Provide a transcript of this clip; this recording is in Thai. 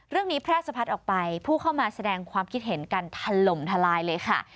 แพร่สะพัดออกไปผู้เข้ามาแสดงความคิดเห็นกันถล่มทลายเลยค่ะ